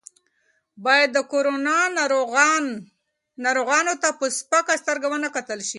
باید د کرونا ناروغانو ته په سپکه سترګه ونه کتل شي.